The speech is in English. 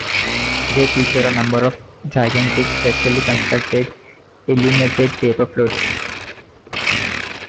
They feature a number of gigantic, specially-constructed, illuminated paper floats.